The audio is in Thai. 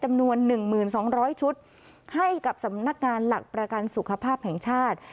จำนวน๑๒๐๐ชุดให้กับสำนักงานหลักประกันสุขภาพแห่งชาติ